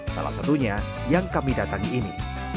salah satunya yang kami datangi ini